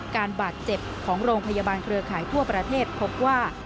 การบาดเจ็บของโรงพยาบาลเครือข่ายทั่วประเทศพบว่า